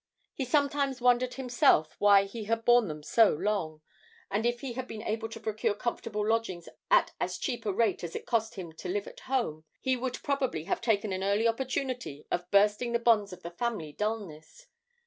He sometimes wondered himself why he had borne them so long; and if he had been able to procure comfortable lodgings at as cheap a rate as it cost him to live at home, he would probably have taken an early opportunity of bursting the bonds of the family dulness.